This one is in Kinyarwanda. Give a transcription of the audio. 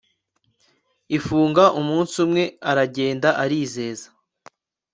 Ifunga umunsi umwe aragenda arizeza